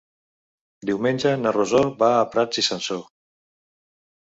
Diumenge na Rosó va a Prats i Sansor.